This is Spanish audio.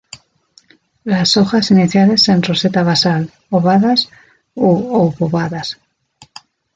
Las hojas iniciales en roseta basal, ovadas u obovadas.